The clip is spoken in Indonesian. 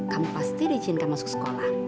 kamu pasti diizinkan masuk sekolah